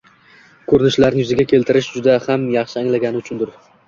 ko‘rinishlarini yuzaga keltirishini, juda yaxshi anglagani uchundir.